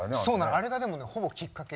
あれがでもほぼきっかけ。